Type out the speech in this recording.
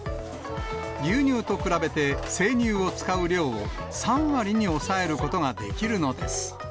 牛乳と比べて、生乳を使う量を３割に抑えることができるのです。